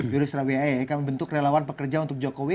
yoris rawiayi kan membentuk relawan pekerja untuk jokowi